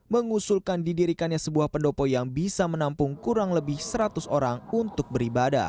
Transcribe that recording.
mengusulkan didirikannya sebuah pendopo yang bisa menampung kurang lebih seratus orang untuk beribadah